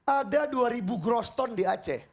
ada dua ribu groston di aceh